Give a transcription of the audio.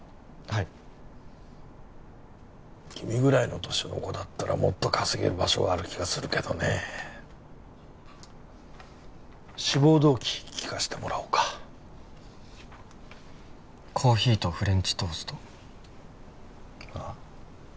はい君ぐらいの年の子だったらもっと稼げる場所がある気がするけどね志望動機聞かせてもらおうかコーヒーとフレンチトーストあ？